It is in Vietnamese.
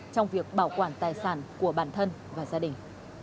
trong việc bảo quản tài sản của bản thân và gia đình